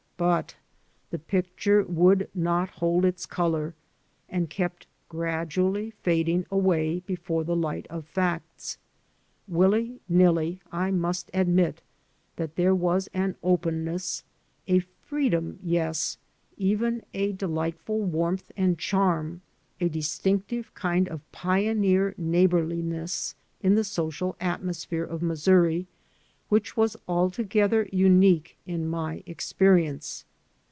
But the picture would not hold its color, and kept gradually fading away before the light of facts. Willy nilly, I must admit that there was an openness, a freedom, yes, even a delightful warmth and charm — a distinctive kind of pioneer neighborliness — ^in the social atmosphere of Missouri which was altogether unique in my ex perience.